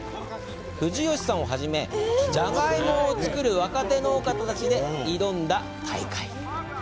藤吉さんをはじめじゃがいもを作る若手農家たちで挑んだ大会。